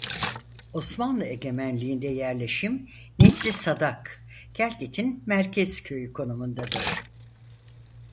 Osmanlı egemenliğinde yerleşim "Nefs-i Sadak" Kelkit'in merkez köyü konumundadır.